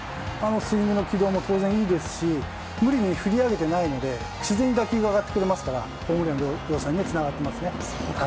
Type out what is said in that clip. スイングの軌道も当然いいですし無理に振り上げていないので自然に打球が上がってくれますからホームラン量産につながっていますね。